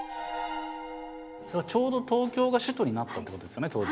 ちょうど東京が首都になったってことですよね当時。